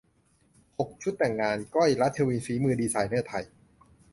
หก ชุดแต่งงาน ก้อย รัชวิน ฝีมือดีไซเนอร์ไทย